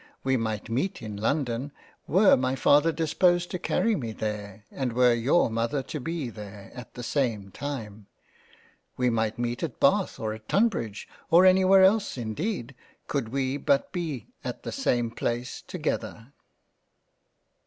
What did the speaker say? We might meet in London, were my Father dis posed to carry me there, and were your Mother to be there at the same time. We might meet at Bath, at Tunbridge, or anywhere else indeed, could we but be at the same place together.